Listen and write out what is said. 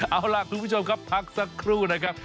เอาล่ะคุณผู้ชมครับพักสักครู่นะครับ